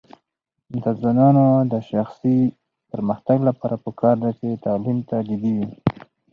د ځوانانو د شخصي پرمختګ لپاره پکار ده چې تعلیم ته جدي وي.